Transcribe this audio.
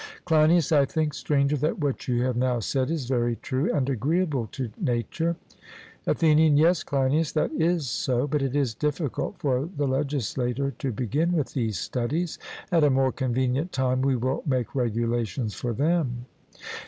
CLEINIAS: I think, Stranger, that what you have now said is very true and agreeable to nature. ATHENIAN: Yes, Cleinias, that is so. But it is difficult for the legislator to begin with these studies; at a more convenient time we will make regulations for them.